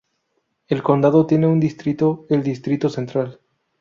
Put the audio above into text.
El condado tiene un distrito: el distrito central.